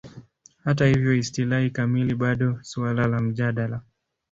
Hata hivyo, istilahi kamili bado suala la mjadala.